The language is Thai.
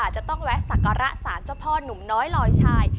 จะต้องแวะสักการะสารเจ้าพ่อหนุ่มน้อยลอยชาย